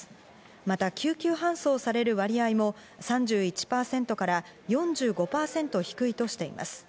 また救急搬送される割合も３１％から４５％低いとしています。